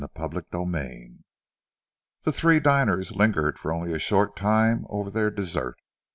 CHAPTER VI The three diners lingered for only a short time over their dessert.